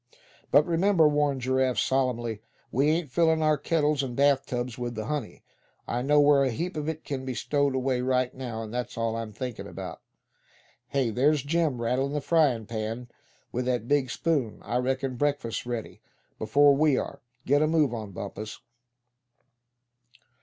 "But remember," warned Giraffe, solemnly, "we ain't fillin' our kettles an' bath tubs with the honey. I know where a heap of it c'n be stowed away right now; and that's all I'm thinkin' about. Hey! there's Jim rattling the frying pan with that big spoon. I reckon breakfast's ready, before we are. Get a move on, Bumpus!"